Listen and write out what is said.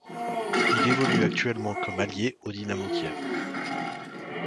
Il évolue actuellement comme ailier au Dynamo Kiev.